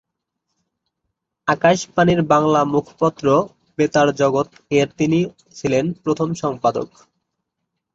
আকাশবাণীর বাংলা মুখপত্র বেতারজগৎ-এর তিনিই ছিলেন প্রথম সম্পাদক।